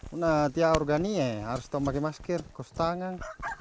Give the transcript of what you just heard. ini dia organiknya harus pakai masker kos tangan